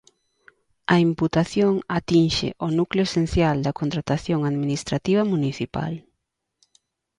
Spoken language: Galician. A imputación atinxe ao núcleo esencial da contratación administrativa municipal.